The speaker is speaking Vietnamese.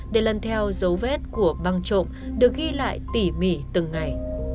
để lần theo dấu vết của băng trộm được ghi lại tỉ mỉ từng ngày